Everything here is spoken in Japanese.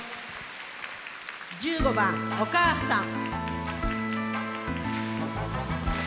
１５番「おかあさん」。